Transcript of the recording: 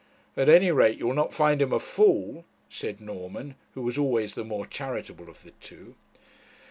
'At any rate you will not find him a fool,' said Norman, who was always the more charitable of the two.